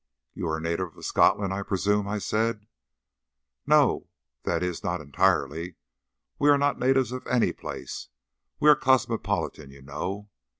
"You are a native of Scotland, I presume?" I said. "No that is, not entirely. We are not natives of any place. We are cosmopolitan, you know."